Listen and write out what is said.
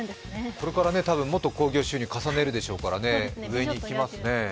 これから多分、もっと興行収入重ねるでしょうから、上にいきますね。